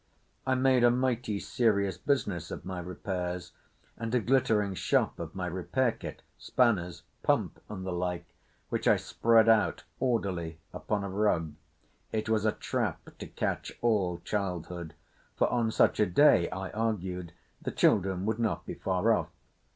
I made a mighty serious business of my repairs and a glittering shop of my repair kit, spanners, pump, and the like, which I spread out orderly upon a rug. It was a trap to catch all childhood, for on such a day, I argued, the children would not be far off.